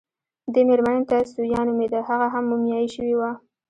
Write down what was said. دې مېرمنې ته ثویا نومېده، هغه هم مومیايي شوې وه.